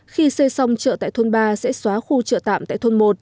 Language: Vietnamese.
khi xây xong chợ tại thôn ba sẽ xóa khu chợ tạm tại thôn một